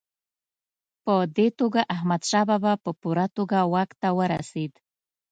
په دې توګه احمدشاه بابا په پوره توګه واک ته ورسېد.